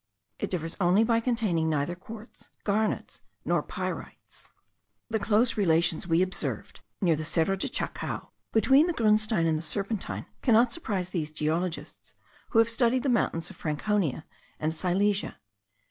It differs only by containing neither quartz, garnets, nor pyrites. The close relations we observed near the Cerro de Chacao, between the grunstein and the serpentine, cannot surprise these geologists who have studied the mountains of Franconia and Silesia.